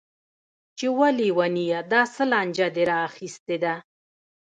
چې وه ليونيه دا څه لانجه دې راخيستې ده.